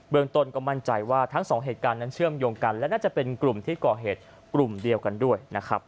เมืองต้นก็มั่นใจว่าทั้งสองเหตุการณ์นั้นเชื่อมโยงกันและน่าจะเป็นกลุ่มที่ก่อเหตุกลุ่มเดียวกันด้วยนะครับ